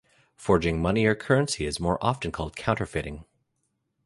Forging money or currency is more often called counterfeiting.